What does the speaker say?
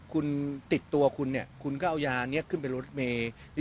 คุณติดตัวคุณเนี่ยคุณก็เอายานี้ขึ้นไปรถเมย์